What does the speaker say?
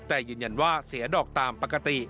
แต่ยืนยันว่าเสียดอกตามปกติ